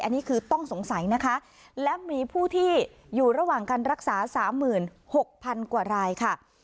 อันนี้คือต้องสงสัยนะคะและมีผู้ที่อยู่ระหว่างการรักษา๓๖๐๐๐กว่ารายค่ะ